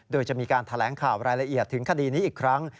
โดยจะมีการแถลงข่าวรายละเอียดถึงคดีนี้อีกครั้ง